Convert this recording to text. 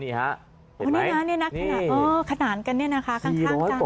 นี่นะขนาดกันเนี่ยนะคะข้างจ้าง